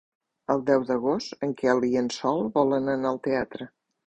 El deu d'agost en Quel i en Sol volen anar al teatre.